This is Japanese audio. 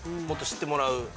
もっと知ってもらう。